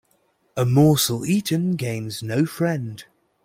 A morsel eaten gains no friend.